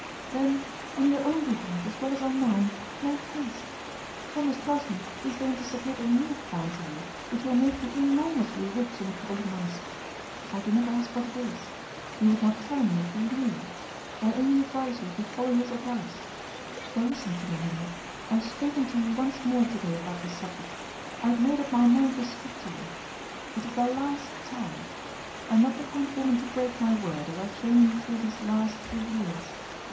" Then, on your own behalf, as well as on mine, make haste. Thomas tells me he is going to submit a new plan to you which will make you enormously rich in a couple of months. I do not ask what it is. You would not tell me if you knew. I only advise you to follow his advice. For listen to me, Hendrik. I have spoken to you once more to day about this subject. I had made up my mind to speak to you. It is the last time. I am not the kind of woman to break my word, as I have shown you through these last three years.